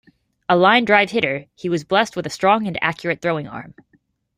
A line-drive hitter, he was blessed with a strong and accurate throwing arm.